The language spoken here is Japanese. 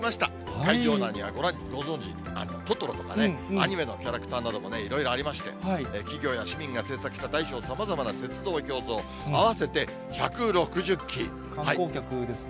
会場内にはご存じ、トトロとかね、アニメのキャラクターとかもいろいろありまして、企業や市民が制作した大小さまざまな雪像、氷像、合わせて１６０観光客ですね。